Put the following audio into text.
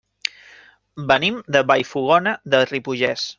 Venim de Vallfogona de Ripollès.